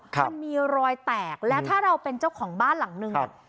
มันมีรอยแตกแล้วถ้าเราเป็นเจ้าของบ้านหลังนึงเนี่ย